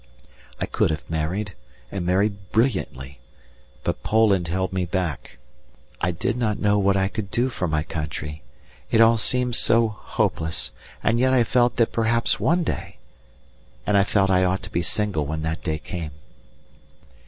I could have married, and married brilliantly, but Poland held me back. I did not know what I could do for my country, it all seemed so hopeless, and yet I felt that perhaps one day ... and I felt I ought to be single when that day came.